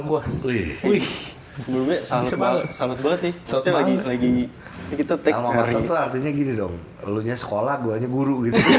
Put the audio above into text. lalu ini gini dong sekolah guru